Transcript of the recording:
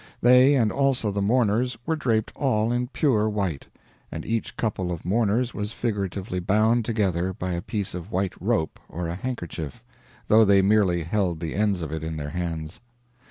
They, and also the mourners, were draped all in pure white, and each couple of mourners was figuratively bound together by a piece of white rope or a handkerchief though they merely held the ends of it in their hands.